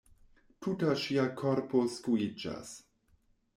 Tuta ŝia korpo skuiĝas.